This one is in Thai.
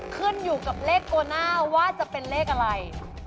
ขึ้นอยู่กับเลขโกน่าว่าจะเป็นเลขอะไร